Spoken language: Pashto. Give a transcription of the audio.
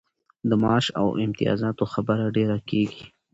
د معاش او امتیازاتو خبره ډېره کیږي.